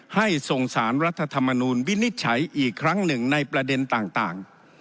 ให้ส่งสารรัฐธรรมนูลวินิจฉัยอีกครั้งหนึ่งในประเด็นต่าง